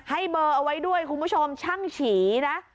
ให้เบอร์เอาไว้ด้วยคุณผู้ชมช่างฉีนะ